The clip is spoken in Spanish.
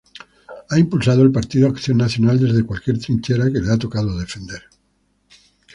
Ha impulsado al Partido Acción Nacional desde cualquier trinchera que le ha tocado defender.